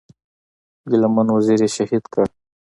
ګيله من وزير یې شهید کړ.